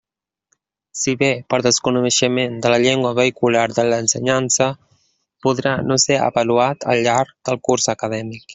Si bé, per desconeixement de la llengua vehicular de l'ensenyança podrà no ser avaluat al llarg del curs acadèmic.